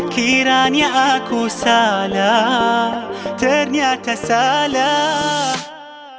kiranya aku salah ternyata salah